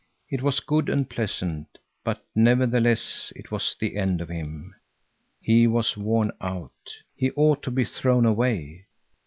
It was good and pleasant, but nevertheless it was the end of him. He was worn .out. He ought to be thrown away.